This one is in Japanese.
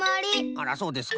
あらそうですか。